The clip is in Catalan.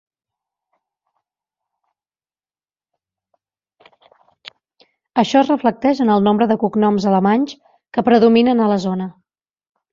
Això es reflecteix en el nombre de cognoms alemanys que predominen a la zona.